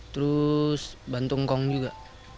terus bantu ngkong juga